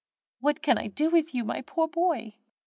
What can I do with you, my poor boy?"